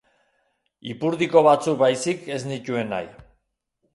Ipurdiko batzuk baizik ez nituen nahi.